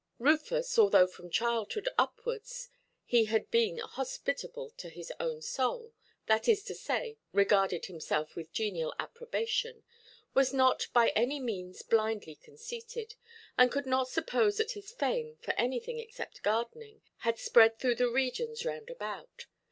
Rufus, although from childhood upwards he had been hospitable to his own soul, that is to say, regarded himself with genial approbation, was not by any means blindly conceited, and could not suppose that his fame, for anything except gardening, had spread through the regions round about.